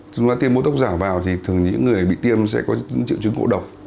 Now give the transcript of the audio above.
chúng ta tiêm botox giả vào thì thường những người bị tiêm sẽ có những triệu chứng ngộ độc